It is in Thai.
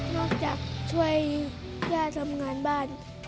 นอกจากช่วยย่าทำงานบ้าน